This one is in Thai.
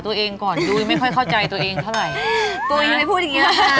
ตัวเองไม่พูดอย่างนี้นะ